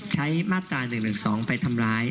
มาตรา๑๑๒ไปทำร้าย